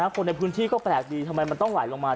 คนในพื้นที่ก็แปลกดีทำไมมันต้องไหลลงมา